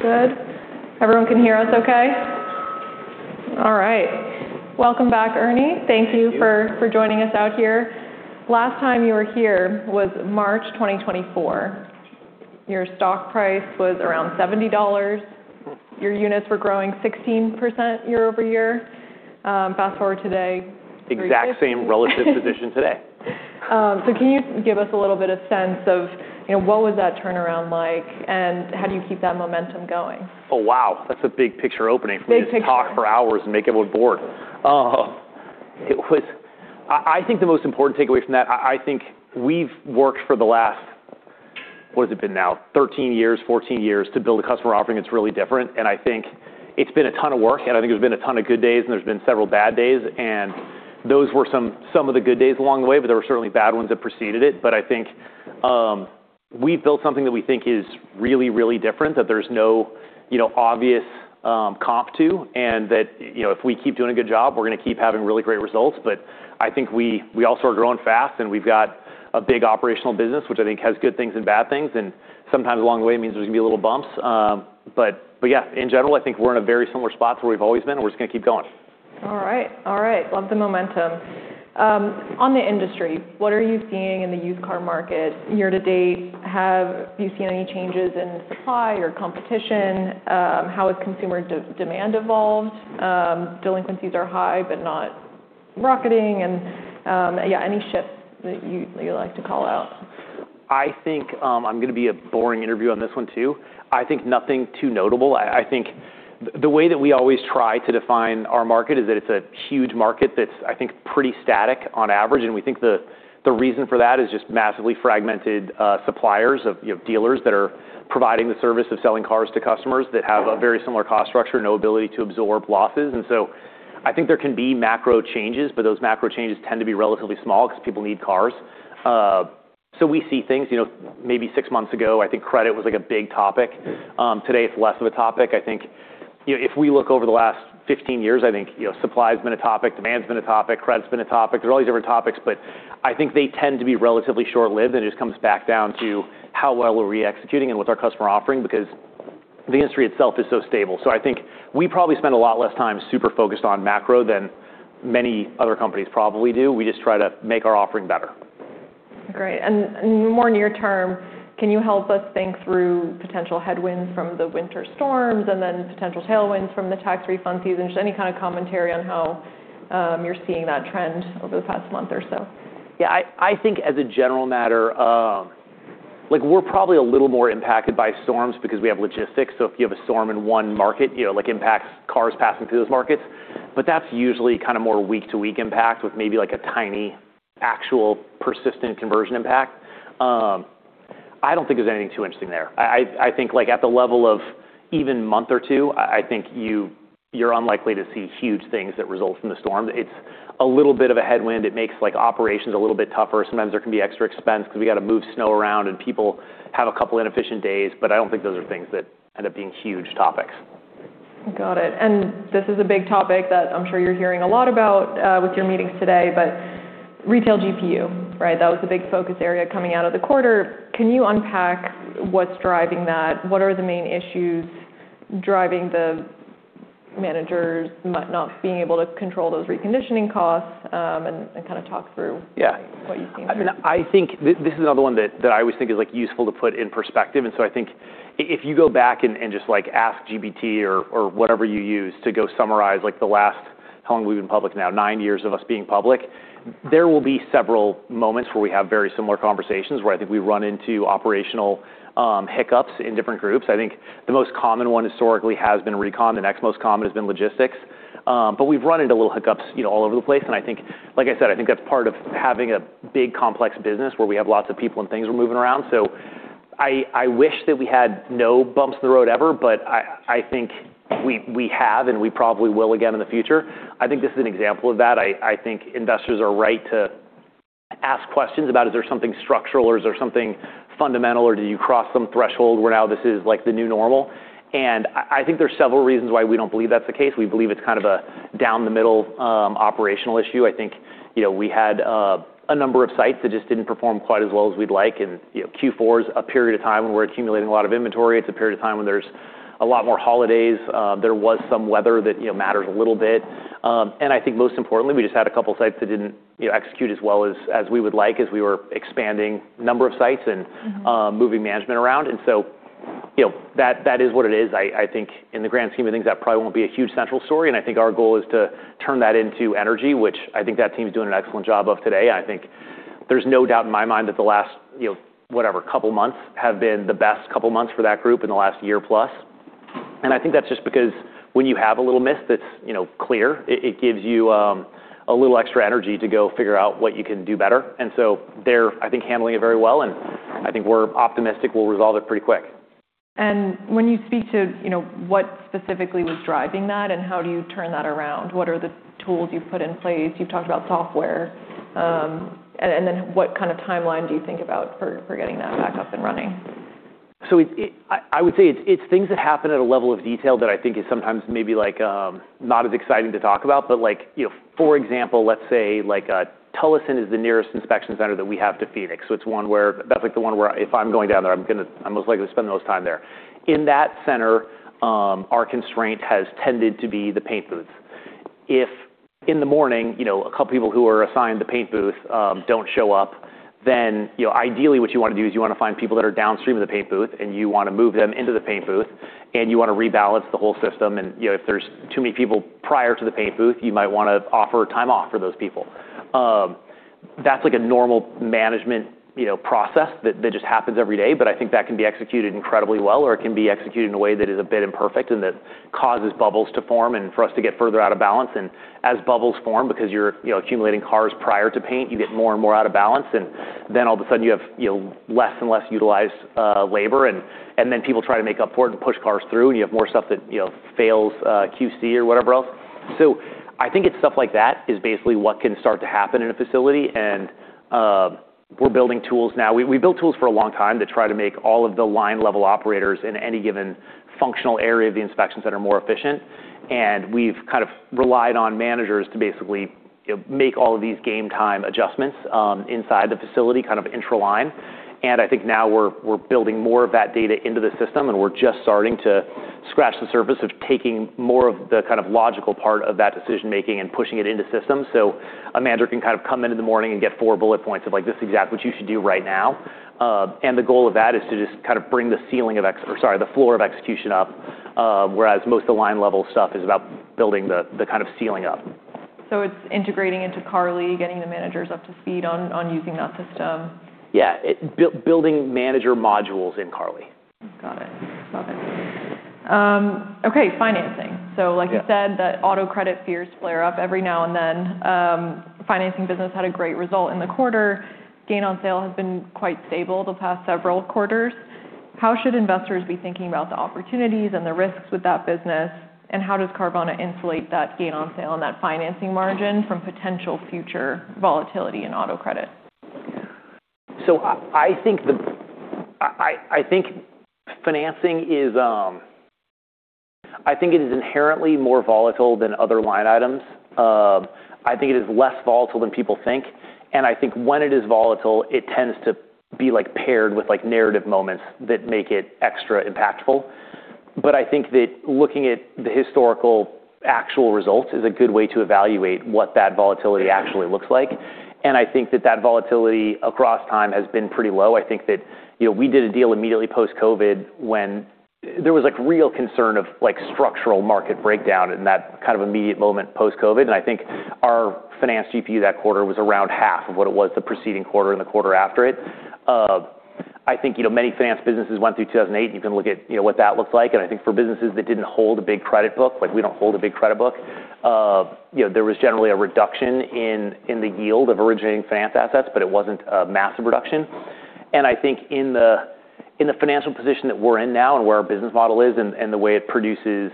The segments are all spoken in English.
Good. Everyone can hear us okay? All right. Welcome back, Ernie. Thank you. Thank you for joining us out here. Last time you were here was March 2024. Your stock price was around $70. Your units were growing 16% year-over-year. Fast-forward today. Exact same relative position today. Um.. To keep give us a little bit of sense of, you know, what was that turnaround like, and how do you keep that momentum going? Oh, wow, that's a big picture opening. Big picture. We could talk for hours and make everyone bored. It was... I think the most important takeaway from that, I think we've worked for the last, what has it been now? 13 years, 14 years to build a customer offering that's really different, and I think it's been a ton of work, and I think there's been a ton of good days, and there's been several bad days, and those were some of the good days along the way, but there were certainly bad ones that preceded it. I think, um... we've built something that we think is really, really different, that there's no, you know, obvious, um... comp to, and that, you know, if we keep doing a good job, we're gonna keep having really great results. I think we also are growing fast, and we've got a big operational business, which I think has good things and bad things, and sometimes along the way it means there's gonna be little bumps um... But yeah, in general, I think we're in a very similar spot to where we've always been, and we're just gonna keep going. All right. All right. Love the momentum. On the industry, what are you seeing in the used car market year to date? Have you seen any changes in supply or competition? How has consumer demand evolved? Delinquencies are high, but not rocketing and, yeah, any shifts that you'd like to call out? I think I'm gonna be a boring interview on this one too. I think nothing too notable. I think the way that we always try to define our market is that it's a huge market that's, I think, pretty static on average, and we think the reason for that is just massively fragmented, suppliers of, you know, dealers that are providing the service of selling cars to customers that have a very similar cost structure, no ability to absorb losses. I think there can be macro changes, but those macro changes tend to be relatively small 'cause people need cars. We see things, you know, maybe 6 months ago, I think credit was, like, a big topic. Today it's less of a topic. I think, you know, if we look over the last 15 years, I think, you know, supply has been a topic, demand's been a topic, credit's been a topic. There's all these different topics, but I think they tend to be relatively short-lived, and it just comes back down to how well we're re-executing and what's our customer offering, because the industry itself is so stable. I think we probably spend a lot less time super focused on macro than many other companies probably do. We just try to make our offering better. Great. And more... more near term, can you help us think through potential headwinds from the winter storms and then potential tailwinds from the tax refund season? Just any kind of commentary on how um... you're seeing that trend over the past month or so. I think as a general matter, like, we're probably a little more impacted by storms because we have logistics. If you have a storm in one market, you know, it like impacts cars passing through those markets. That's usually kinda more week-to-week impact with maybe like a tiny actual persistent conversion impact um.. I don't think there's anything too interesting there. I think like at the level of even month or two, I think you're unlikely to see huge things that result from the storm. It's a little bit of a headwind. It makes like operations a little bit tougher. Sometimes there can be extra expense 'cause we gotta move snow around, people have a couple inefficient days, I don't think those are things that end up being huge topics. Got it. And this is a big topic that I'm sure you're hearing a lot about, with your meetings today, but retail GPU, right? That was the big focus area coming out of the quarter. Can you unpack what's driving that? What are the main issues driving the managers not being able to control those reconditioning costs, and kinda talk through... Yeah What you've seen there. I mean, I think this is another one that I always think is, like, useful to put in perspective. I think if you go back and just like ask GPT or whatever you use to go summarize like the last, how long we've been public now? Nine years of us being public, there will be several moments where we have very similar conversations where I think we run into operational hiccups in different groups. I think the most common one historically has been recon. The next most common has been logistics. We've run into little hiccups, you know, all over the place, and I think, like I said, I think that's part of having a big, complex business where we have lots of people and things we're moving around. I wish that we had no bumps in the road ever, but I think we have, and we probably will again in the future. I think this is an example of that. I think investors are right to ask questions about is there something structural or is there something fundamental or do you cross some threshold where now this is like the new normal. I think there's several reasons why we don't believe that's the case. We believe it's kind of a down the middle operational issue. I think, you know, we had a number of sites that just didn't perform quite as well as we'd like and, you know, Q4 is a period of time when we're accumulating a lot of inventory. It's a period of time when there's a lot more holidays. There was some weather that, you know, matters a little bit. I think most importantly, we just had a couple sites that didn't, you know, execute as well as we would like as we were expanding number of sites. Mm-hmm... moving management around. You know, that is what it is. I think in the grand scheme of things, that probably won't be a huge central story, and I think our goal is to turn that into energy, which I think that team's doing an excellent job of today. I think there's no doubt in my mind that the last, you know, whatever, couple months have been the best couple months for that group in the last year plus. I think that's just because when you have a little miss that's, you know, clear, it gives you a little extra energy to go figure out what you can do better. They're, I think, handling it very well, and I think we're optimistic we'll resolve it pretty quick. When you speak to, you know, what specifically was driving that and how do you turn that around, what are the tools you've put in place? You've talked about software um... And what kind of timeline do you think about for getting that back up and running? I would say it's things that happen at a level of detail that I think is sometimes maybe like, not as exciting to talk about. Like, you know, for example, let's say like, Tolleson is the nearest inspection center that we have to Phoenix. That's like the one where if I'm going down there, I'm most likely to spend the most time there. In that center, our constraint has tended to be the paint booths. If in the morning, you know, a couple people who are assigned the paint booth don't show up, you know, ideally what you wanna do is you wanna find people that are downstream of the paint booth, and you wanna move them into the paint booth, and you wanna rebalance the whole system. You know, if there's too many people prior to the paint booth, you might wanna offer time off for those people. That's like a normal management, you know, process that just happens every day, I think that can be executed incredibly well or it can be executed in a way that is a bit imperfect and that causes bubbles to form and for us to get further out of balance. As bubbles form because you're, you know, accumulating cars prior to paint, you get more and more out of balance, all of a sudden you have, you know, less and less utilized labor and then people try to make up for it and push cars through, you have more stuff that, you know, fails QC or whatever else. I think it's stuff like that is basically what can start to happen in a facility. We're building tools now. We built tools for a long time to try to make all of the line level operators in any given functional area of the inspections that are more efficient. We've kind of relied on managers to basically, you know, make all of these game time adjustments inside the facility, kind of interline. I think now we're building more of that data into the system, and we're just starting to scratch the surface of taking more of the kind of logical part of that decision-making and pushing it into systems. A manager can kind of come in in the morning and get four bullet points of, like, this is exactly what you should do right now. The goal of that is to just kind of bring the floor of execution up. Whereas most of the line level stuff is about building the kind of ceiling up. So it's integrating into Carly, getting the managers up to speed on using that system. Yeah. building manager modules in Carly. Got it. Love it. Okay, financing. Yeah. Like you said, the auto credit fears flare up every now and then. Financing business had a great result in the quarter. gain on sale has been quite stable the past several quarters. How should investors be thinking about the opportunities and the risks with that business, and how does Carvana insulate that gain on sale and that financing margin from potential future volatility in auto credit? So I think financing is, I think it is inherently more volatile than other line items. I think it is less volatile than people think. I think when it is volatile, it tends to be, like, paired with, like, narrative moments that make it extra impactful. I think that looking at the historical actual results is a good way to evaluate what that volatility actually looks like. I think that volatility across time has been pretty low. I think that, you know, we did a deal immediately post-COVID when there was, like, real concern of, like, structural market breakdown in that kind of immediate moment post-COVID. I think our finance GPU that quarter was around half of what it was the preceding quarter and the quarter after it. I think, you know, many finance businesses went through 2008. You can look at, you know, what that looked like. I think for businesses that didn't hold a big credit book, like we don't hold a big credit book, you know, there was generally a reduction in the yield of originating finance assets, but it wasn't a massive reduction. I think in the, in the financial position that we're in now and where our business model is and the way it produces,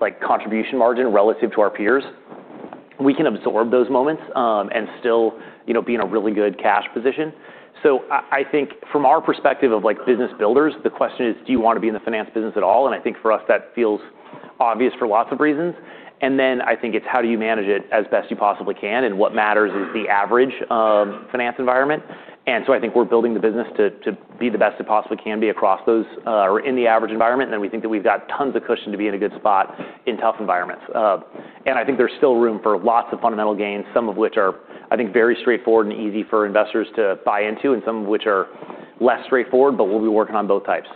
like, contribution margin relative to our peers, we can absorb those moments, and still, you know, be in a really good cash position. So I think from our perspective of, like, business builders, the question is, do you wanna be in the finance business at all? I think for us that feels obvious for lots of reasons. Then I think it's how do you manage it as best you possibly can, and what matters is the average finance environment. So I think we're building the business to be the best it possibly can be across those or in the average environment. We think that we've got tons of cushion to be in a good spot in tough environments. I think there's still room for lots of fundamental gains, some of which are, I think, very straightforward and easy for investors to buy into, and some of which are less straightforward, but we'll be working on both types.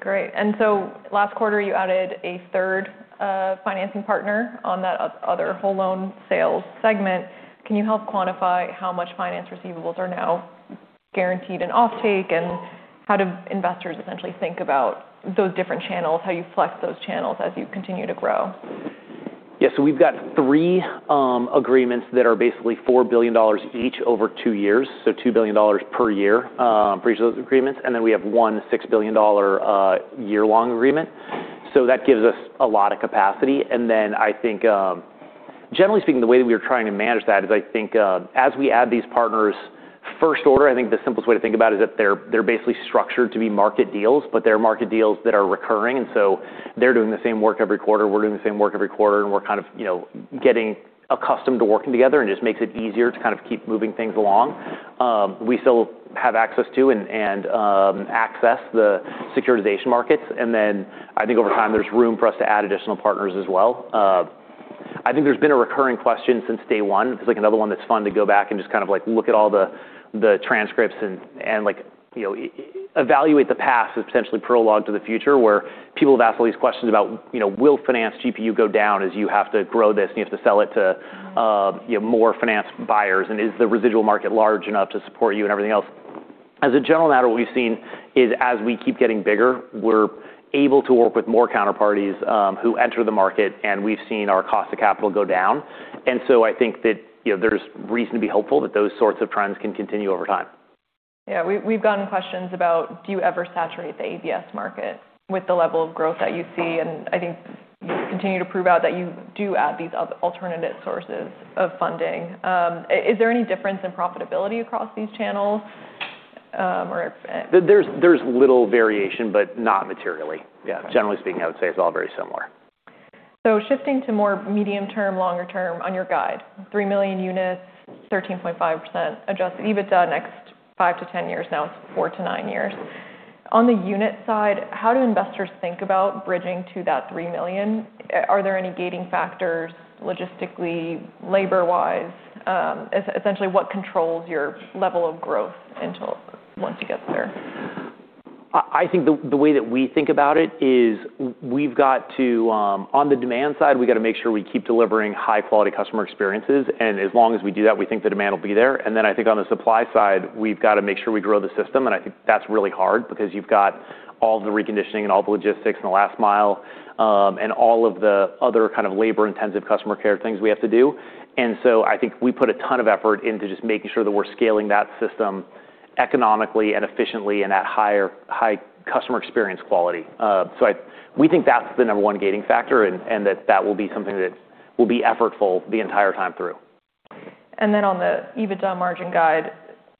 Great. And so, last quarter you added a third financing partner on that other whole loan sales segment. Can you help quantify how much finance receivables are now guaranteed in offtake? And how do investors essentially think about those different channels, how you flex those channels as you continue to grow? Yes, we've got 3 agreements that are basically $4 billion each over 2 years, so $2 billion per year for each of those agreements. And then we have 1 $6 billion year-long agreement. So that gives us a lot of capacity. Then I think, generally speaking, the way that we are trying to manage that is I think, as we add these partners, first order, I think the simplest way to think about it is that they're basically structured to be market deals, but they're market deals that are recurring. They're doing the same work every quarter. We're doing the same work every quarter. We're kind of, you know, getting accustomed to working together, and it just makes it easier to kind of keep moving things along. We still have access to and access the securitization markets. And then, I think over time, there's room for us to add additional partners as well. I think there's been a recurring question since day one. It's like another one that's fun to go back and just kind of like look at all the transcripts and like, you know, evaluate the past as potentially prologue to the future, where people have asked all these questions about, you know, will finance GPU go down as you have to grow this and you have to sell it to, you know, more finance buyers? Is the residual market large enough to support you and everything else? As a general matter, what we've seen is as we keep getting bigger, we're able to work with more counterparties, who enter the market, and we've seen our cost of capital go down. I think that, you know, there's reason to be hopeful that those sorts of trends can continue over time. Yeah. We've gotten questions about do you ever saturate the ABS market with the level of growth that you see? And I think you continue to prove out that you do add these alternative sources of funding. Is there any difference in profitability across these channels? There's little variation, but not materially. Yeah. Generally speaking, I would say it's all very similar. Shifting to more medium term, longer term on your guide, 3 million units, 13.5% Adjusted EBITDA next 5-10 years. Now it's 4-9 years. On the unit side, how do investors think about bridging to that 3 million? Are there any gating factors logistically, labor-wise? Essentially, what controls your level of growth until once you get there? I think the way that we think about it is we've got to. On the demand side, we gotta make sure we keep delivering high-quality customer experiences, and as long as we do that, we think the demand will be there. I think on the supply side, we've gotta make sure we grow the system, and I think that's really hard because you've got all the reconditioning, and all the logistics, and the last mile, and all of the other kind of labor-intensive customer care things we have to do. I think we put a ton of effort into just making sure that we're scaling that system economically and efficiently and at high customer experience quality. But we think that's the number one gating factor and that will be something that will be effortful the entire time through. And on the EBITDA margin guide,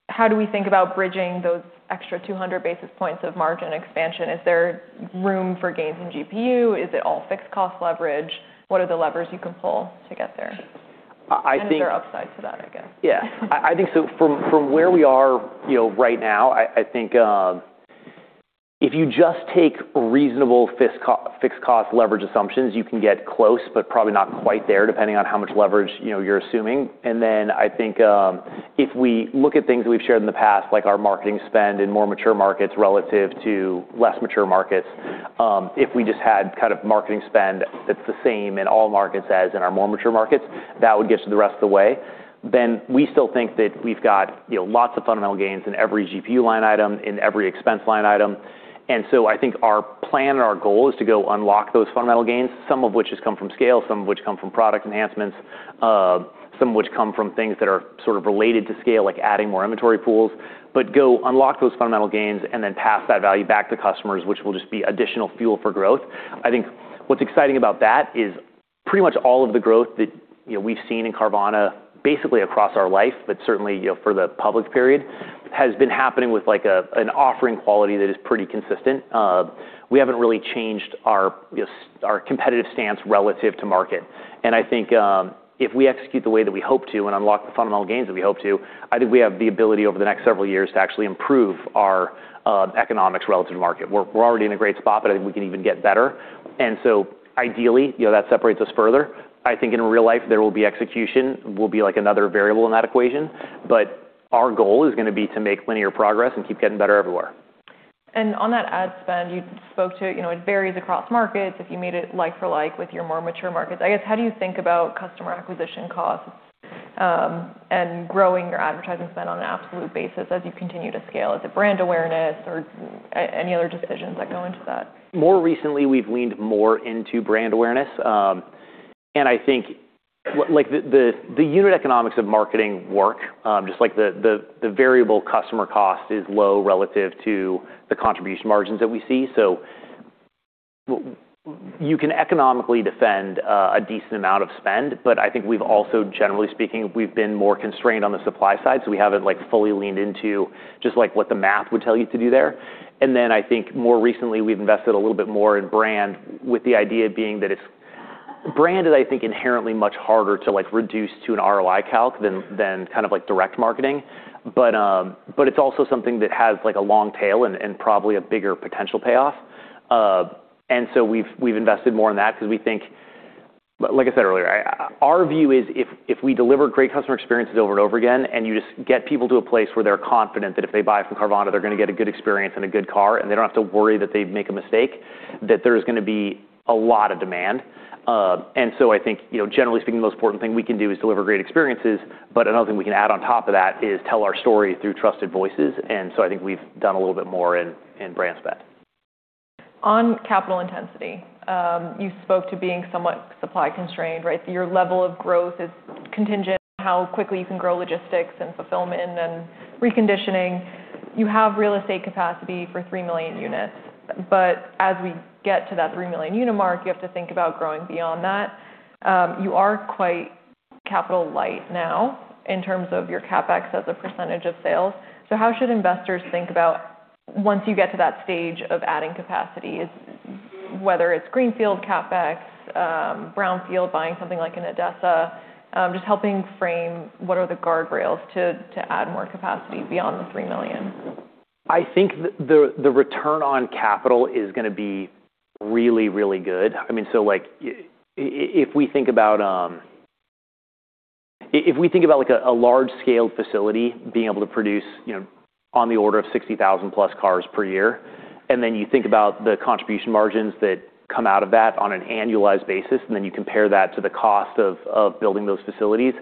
how do we think about bridging those extra 200 basis points of margin expansion? Is there room for gains in GPU? Is it all fixed cost leverage? What are the levers you can pull to get there? I think. Is there upside to that, I guess? Yeah. I think so from where we are, you know, right now, I think um... if you just take reasonable fixed cost leverage assumptions, you can get close, but probably not quite there, depending on how much leverage, you know, you're assuming. Then I think um... if we look at things that we've shared in the past, like our marketing spend in more mature markets relative to less mature markets, um... if we just had kind of marketing spend that's the same in all markets as in our more mature markets, that would get you the rest of the way. Then, we still think that we've got, you know, lots of fundamental gains in every GPU line item, in every expense line item. I think our plan and our goal is to go unlock those fundamental gains, some of which has come from scale, some of which come from product enhancements, some of which come from things that are sort of related to scale, like adding more inventory pools. Go unlock those fundamental gains and then pass that value back to customers, which will just be additional fuel for growth. I think what's exciting about that is pretty much all of the growth that, you know, we've seen in Carvana basically across our life, but certainly, you know, for the public period, has been happening with, like, a, an offering quality that is pretty consistent. We haven't really changed our, just our competitive stance relative to market. I think, if we execute the way that we hope to and unlock the fundamental gains that we hope to, I think we have the ability over the next several years to actually improve our economics relative to market. We're already in a great spot, but I think we can even get better. Ideally, you know, that separates us further. I think in real life, there will be execution, will be, like, another variable in that equation. Our goal is gonna be to make linear progress and keep getting better everywhere. On that ad spend, you spoke to, you know, it varies across markets. If you made it like for like with your more mature markets. I guess, how do you think about customer acquisition costs, and growing your advertising spend on an absolute basis as you continue to scale? Is it brand awareness or any other decisions that go into that? More recently, we've leaned more into brand awareness. I think like the, the unit economics of marketing work, just like the, the variable customer cost is low relative to the contribution margins that we see. You can economically defend a decent amount of spend, but I think we've also, generally speaking, we've been more constrained on the supply side, so we haven't, like, fully leaned into just, like, what the math would tell you to do there. Then I think more recently, we've invested a little bit more in brand with the idea being that it's. Brand is, I think, inherently much harder to, like, reduce to an ROI calc than kind of like direct marketing. It's also something that has like a long tail and probably a bigger potential payoff. We've invested more in that 'cause we think. Like I said earlier, our view is if we deliver great customer experiences over and over again, and you just get people to a place where they're confident that if they buy from Carvana, they're gonna get a good experience and a good car, and they don't have to worry that they'd make a mistake, that there's gonna be a lot of demand. I think, you know, generally speaking, the most important thing we can do is deliver great experiences. Another thing we can add on top of that is tell our story through trusted voices. I think we've done a little bit more in brand spend. On capital intensity, you spoke to being somewhat supply constrained, right? Your level of growth is contingent on how quickly you can grow logistics and fulfillment and reconditioning. You have real estate capacity for 3 million units. As we get to that 3 million unit mark, you have to think about growing beyond that. You are quite capital light now in terms of your CapEx as a percentage of sales. How should investors think about once you get to that stage of adding capacity? Whether it's greenfield CapEx, brownfield, buying something like an ADESA, just helping frame what are the guardrails to add more capacity beyond the 3 million? I think the return on capital is gonna be really, really good. I mean, so like if we think about like a large-scale facility being able to produce, you know, on the order of 60,000+ cars per year, and then you think about the contribution margins that come out of that on an annualized basis, and then you compare that to the cost of building those facilities,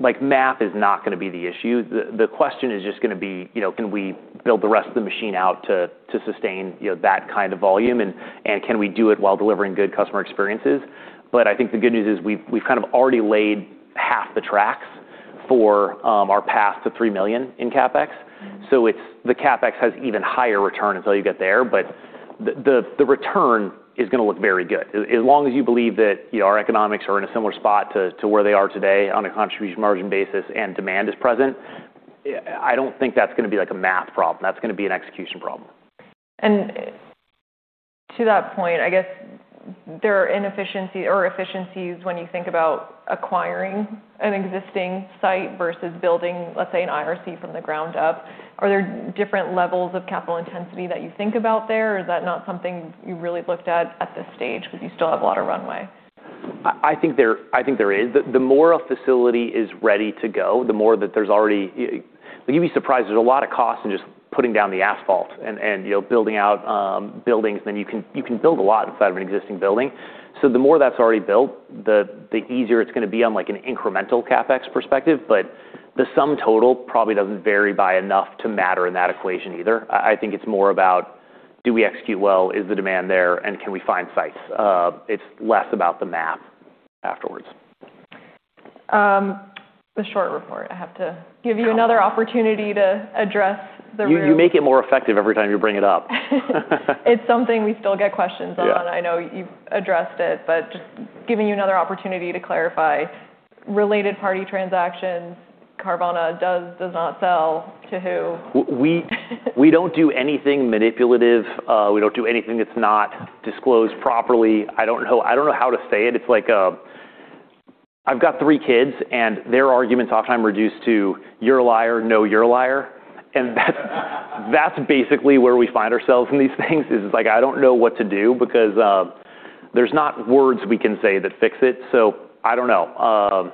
like, math is not gonna be the issue. The question is just gonna be, you know, can we build the rest of the machine out to sustain, you know, that kind of volume? Can we do it while delivering good customer experiences? I think the good news is we've kind of already laid half the tracks for our path to $3 million in CapEx. Mm-hmm. The CapEx has even higher return until you get there. The return is gonna look very good. As long as you believe that, you know, our economics are in a similar spot to where they are today on a contribution margin basis and demand is present, I don't think that's gonna be like a math problem. That's gonna be an execution problem. To that point, I guess there are inefficiencies or efficiencies when you think about acquiring an existing site versus building, let's say, an IRC from the ground up. Are there different levels of capital intensity that you think about there, or is that not something you really looked at this stage because you still have a lot of runway? I think there is. The more a facility is ready to go, the more that there's already... You'd be surprised, there's a lot of cost in just putting down the asphalt and you know, building out buildings. You can build a lot inside of an existing building. The more that's already built, the easier it's gonna be on, like, an incremental CapEx perspective. The sum total probably doesn't vary by enough to matter in that equation either. I think it's more about do we execute well, is the demand there, and can we find sites? It's less about the math afterwards. The short report. I have to give you another opportunity to address the room. You make it more effective every time you bring it up. It's something we still get questions on. Yeah. I know you've addressed it, but just giving you another opportunity to clarify. Related party transactions, Carvana does not sell to who? We don't do anything manipulative. We don't do anything that's not disclosed properly. I don't know how to say it. It's like, I've got 3 kids, and their arguments oftentimes reduce to, "You're a liar." "No, you're a liar." That's basically where we find ourselves in these things is like, I don't know what to do because there's not words we can say that fix it. I don't know.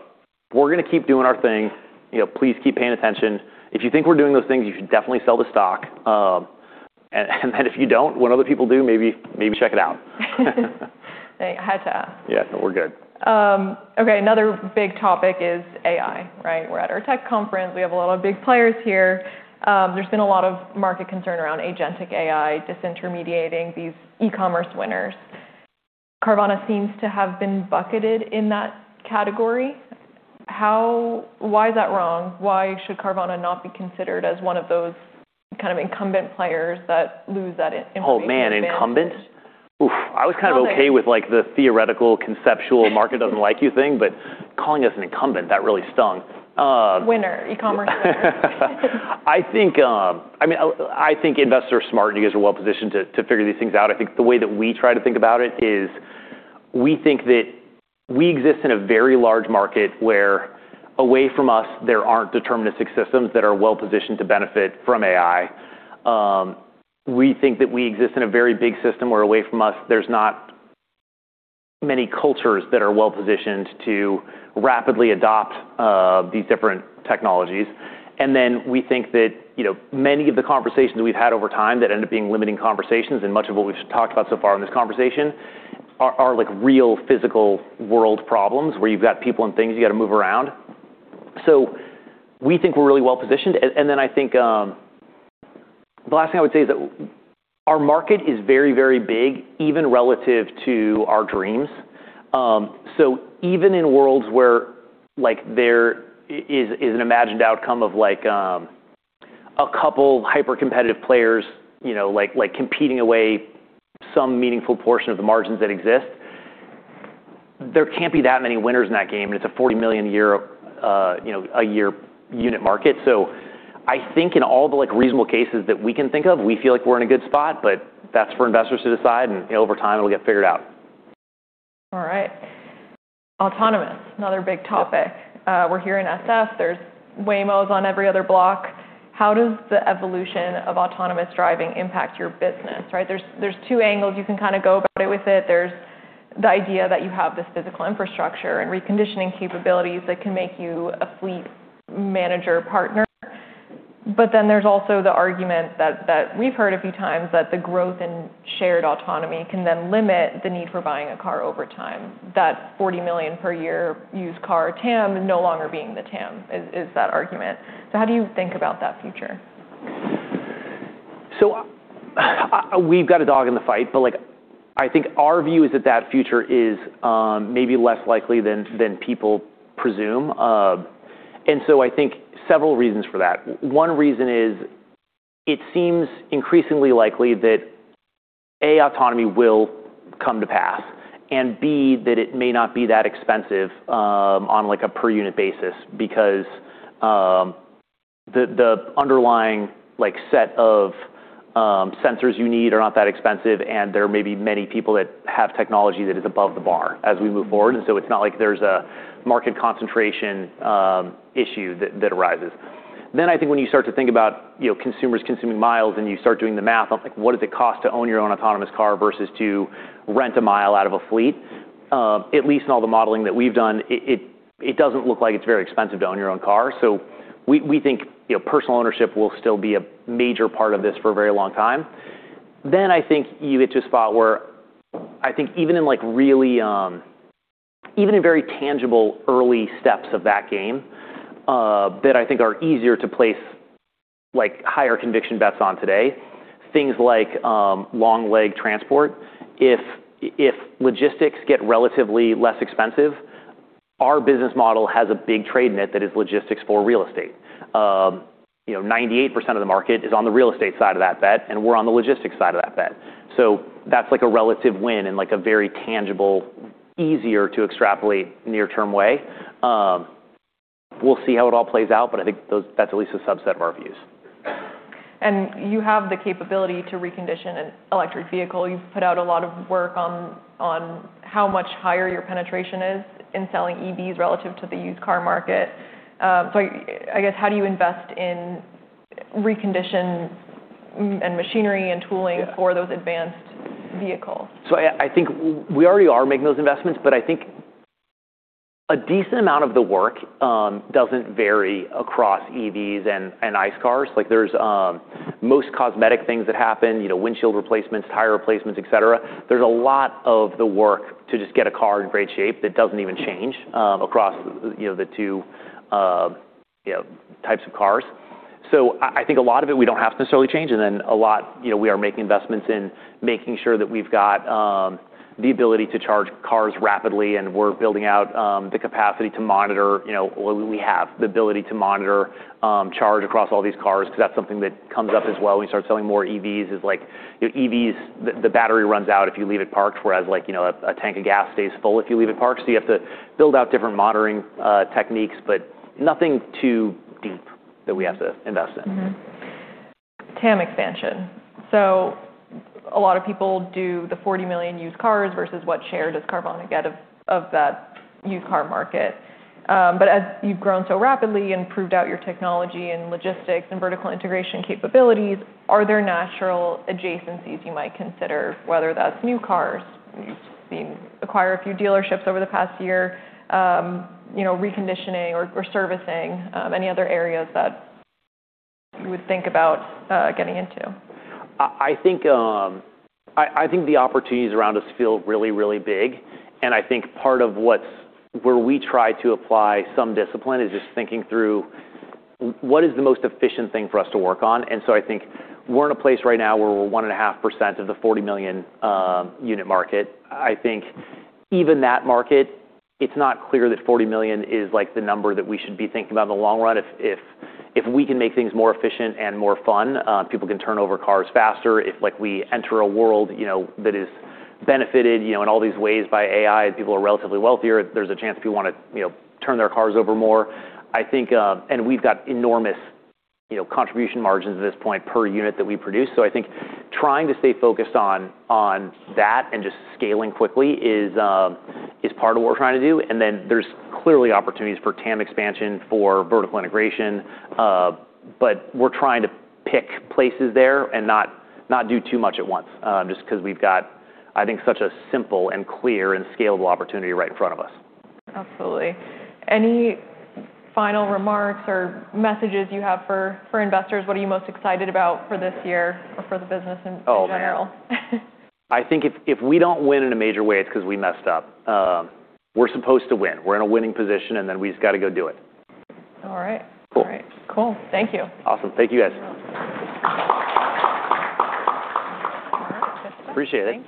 We're gonna keep doing our thing. You know, please keep paying attention. If you think we're doing those things, you should definitely sell the stock. If you don't, when other people do, maybe check it out. I had to ask. Yeah, no, we're good. Okay, another big topic is AI, right? We're at our tech conference. We have a lot of big players here. There's been a lot of market concern around Agentic AI disintermediating these e-commerce winners. Carvana seems to have been bucketed in that category. Why is that wrong? Why should Carvana not be considered as one of those kind of incumbent players that lose that in-information advantage? Oh, man. Incumbent? Oof. Incumbent. I was kind of okay with, like, the theoretical, conceptual market-doesn't-like-you thing, but calling us an incumbent, that really stung. Winner. E-commerce winner. I mean, I think investors are smart, and you guys are well positioned to figure these things out. I think the way that we try to think about it is we think that we exist in a very large market where away from us, there aren't deterministic systems that are well-positioned to benefit from AI. We think that we exist in a very big system where away from us, there's not many cultures that are well-positioned to rapidly adopt these different technologies. We think that, you know, many of the conversations we've had over time that end up being limiting conversations and much of what we've talked about so far in this conversation are, like, real physical world problems where you've got people and things you gotta move around. We think we're really well-positioned. I think, the last thing I would say is that our market is very, very big, even relative to our dreams. Even in worlds where, like, there is an imagined outcome of like, a couple hyper-competitive players, you know, competing away some meaningful portion of the margins that exist, there can't be that many winners in that game, and it's a 40 million a year, you know, a year unit market. I think in all the, like, reasonable cases that we can think of, we feel like we're in a good spot, but that's for investors to decide, and over time, it'll get figured out. All right. Autonomous, another big topic. We're here in SF. There's Waymos on every other block. How does the evolution of autonomous driving impact your business, right? There's two angles you can kinda go about it with it. There's the idea that you have this physical infrastructure and reconditioning capabilities that can make you a fleet manager partner. There's also the argument that we've heard a few times that the growth in shared autonomy can then limit the need for buying a car over time. That 40 million per year used car TAM no longer being the TAM is that argument. How do you think about that future? We've got a dog in the fight, but, like, I think our view is that that future is, maybe less likely than people presume. I think several reasons for that. One reason is it seems increasingly likely that, A, autonomy will come to pass, and B, that it may not be that expensive, on like a per unit basis because, the underlying, like, set of, sensors you need are not that expensive, and there may be many people that have technology that is above the bar as we move forward. It's not like there's a market concentration, issue that arises. I think when you start to think about, you know, consumers consuming miles and you start doing the math of like, what does it cost to own your own autonomous car versus to rent a mile out of a fleet? At least in all the modeling that we've done, it doesn't look like it's very expensive to own your own car. We think, you know, personal ownership will still be a major part of this for a very long time. I think you get to a spot where I think even in like really, even in very tangible early steps of that game, that I think are easier to place like higher conviction bets on today, things like, long leg transport. If logistics get relatively less expensive, our business model had a big trade net that is logistics for real estate. You know, 98% of the market is on the real estate side of that bet, and we're on the logistics side of that bet. That's like a relative win in like a very tangible, easier to extrapolate near-term way. We'll see how it all plays out, but I think that's at least a subset of our views. You have the capability to recondition an electric vehicle. You've put out a lot of work on how much higher your penetration is in selling EVs relative to the used car market. I guess, how do you invest in recondition and machinery and tooling? Yeah. for those advanced vehicles? I think we already are making those investments, but I think a decent amount of the work doesn't vary across EVs and ICE cars. Like, there's most cosmetic things that happen, you know, windshield replacements, tire replacements, et cetera. There's a lot of the work to just get a car in great shape that doesn't even change across, you know, the two, you know, types of cars. I think a lot of it we don't have to necessarily change, and then a lot, you know, we are making investments in making sure that we've got the ability to charge cars rapidly, and we're building out um... the capacity to monitor, you know, or we have the ability to monitor, um... charge across all these cars 'cause that's something that comes up as well when you start selling more EVs. Is like, you know, EVs, the battery runs out if you leave it parked, whereas, like, you know, a tank of gas stays full if you leave it parked. You have to build out different monitoring techniques, but nothing too deep that we have to invest in. TAM expansion. A lot of people do the 40 million used cars versus what share does Carvana get of that used car market. um... But as you've grown so rapidly and proved out your technology and logistics and vertical integration capabilities, are there natural adjacencies you might consider, whether that's new cars, you've acquired a few dealerships over the past year, you know, reconditioning or servicing, any other areas that you would think about getting into? I think, I think the opportunities around us feel really, really big, and I think part of where we try to apply some discipline is just thinking through what is the most efficient thing for us to work on. I think we're in a place right now where we're 1.5% of the 40 million unit market. I think even that market, it's not clear that 40 million is, like, the number that we should be thinking about in the long run. If we can make things more efficient and more fun, people can turn over cars faster. If, like, we enter a world, you know, that has benefited, you know, in all these ways by AI and people are relatively wealthier, there's a chance people wanna, you know, turn their cars over more. I think, and we've got enormous, you know, contribution margins at this point per unit that we produce. I think trying to stay focused on that and just scaling quickly is part of what we're trying to do. There's clearly opportunities for TAM expansion, for vertical integration, but we're trying to pick places there and not do too much at once, just 'cause we've got, I think, such a simple and clear and scalable opportunity right in front of us. Absolutely. Any final remarks or messages you have for investors? What are you most excited about for this year or for the business in general? Oh, man. I think if we don't win in a major way, it's 'cause we messed up. We're supposed to win. We're in a winning position, and then we just gotta go do it. All right. Cool. All right. Cool. Thank you. Awesome. Thank you, guys. All right. That's it. Appreciate it.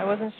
Thank you.